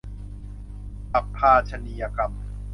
ปัพพาชนียกรรม